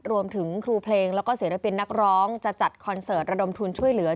รวมถึงครูเพลงแล้วก็ศิลปินนักร้องจะจัดคอนเสิร์ตระดมทุนช่วยเหลือ